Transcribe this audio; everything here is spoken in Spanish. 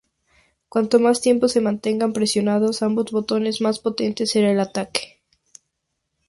Cuanto más tiempo se mantengan presionados ambos botones, más potente será el ataque.